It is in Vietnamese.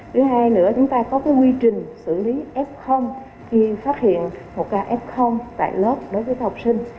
thứ hai nữa chúng ta có quy trình xử lý f khi phát hiện một ca f tại lớp đối với học sinh